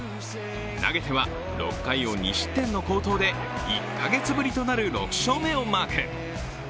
投げては、６回を２失点の好投で１か月ぶりとなる６勝目をマーク。